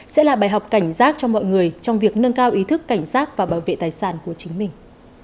sẽ là bài học cảnh giác cho mọi người trong việc nâng cao ý thức cảnh sát và bảo vệ tài sản của chính mình